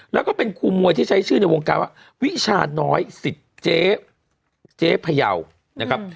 แล้วก็เป็นครูมวยที่ใช้ชื่อในวงการว่าวิชาน้อยสิทธิ์เจ๊พยาวนะครับ